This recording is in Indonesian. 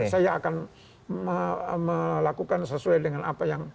saya akan melakukan sesuai dengan apa yang